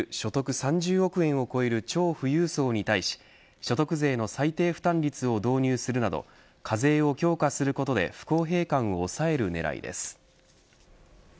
３０億円を超える超富裕層に対し、所得税の最低負担率を導入するなど課税を強化することで不公平感を抑える狙いです。